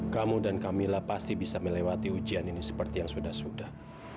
kamu dan kamila pasti bisa melewati ujian ini seperti yang sudah sudah